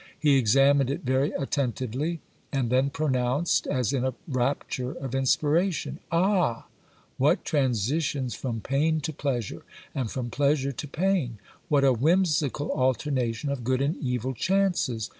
He examined it very attentively, and then pronounced, as in a rapture of inspiration : Ah ! what transitions from pain to pleasure, and from pleasure to pain ! What a whimsical alternation of good and evil chances